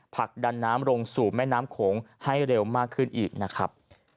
ผลักดันน้ำลงสู่แม่น้ำโขงให้เร็วมากขึ้นอีกนะครับ